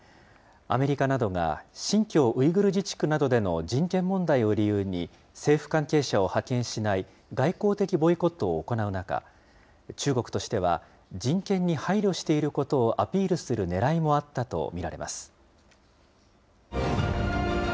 アメリカなどが新疆ウイグル自治区などでの人権問題を理由に政府関係者を派遣しない、外交的ボイコットを行う中、中国としては人権に配慮していることをアピールするねらいもあったと見られます。